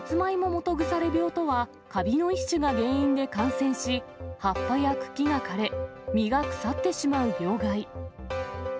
基腐病とは、かびの一種が原因で感染し、葉っぱや茎が枯れ、実が腐ってしまう病害。